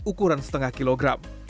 ukuran setengah kilogram